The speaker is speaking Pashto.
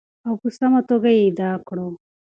او په سمه توګه یې ادا کړو.